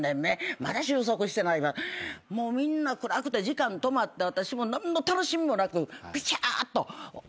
まだ収束してないからもうみんな暗くて時間止まって私も何の楽しみもなくぴしゃーっと。